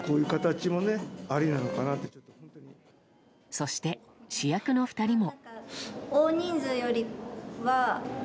そして主役の２人も。